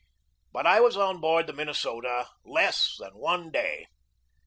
But I was on board the Minnesota less than one day.